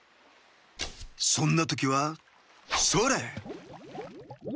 そんなときはそれ！